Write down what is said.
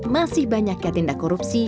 masih banyaknya tindak korupsi